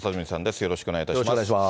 よろしくお願いします。